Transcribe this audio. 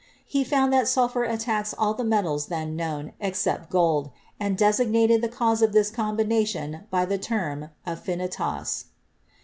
He found that sulphur attacks all the metals then known except gold and designated the cause of this combination by the term "afnnitas."